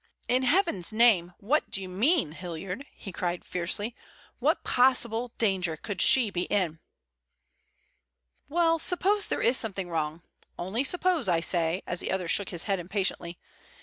"In Heaven's name, what do you mean, Hilliard?" he cried fiercely. "What possible danger could she be in?" "Well, suppose there is something wrong—only suppose, I say," as the other shook his head impatiently.